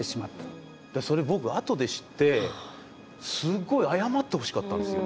それ僕後で知ってすごい謝ってほしかったんですよ。